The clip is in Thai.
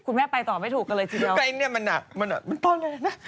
คุณแม่ไปตอบไม่ถูกกันเลยทีเดียวมันต้องเลยนะ